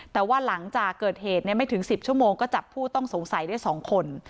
แต่ว่าหลังจากเกิดเหตุไม่ถึง๑๐ชั่วโมงก็จับผู้ต้องสงสัยได้๒คน